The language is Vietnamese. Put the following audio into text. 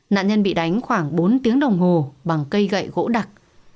nạn nhân bị đánh khoảng bốn tiếng đồng hồ bằng cây gậy gỗ đặc